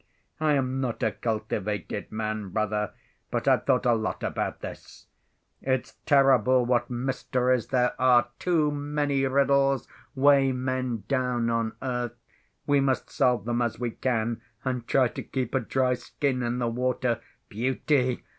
I am not a cultivated man, brother, but I've thought a lot about this. It's terrible what mysteries there are! Too many riddles weigh men down on earth. We must solve them as we can, and try to keep a dry skin in the water. Beauty!